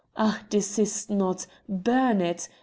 Ah! desist not! burn it!